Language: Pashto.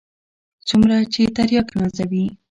څومره چې ترياک نازوي.